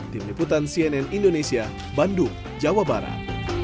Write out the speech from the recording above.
tim liputan cnn indonesia bandung jawa barat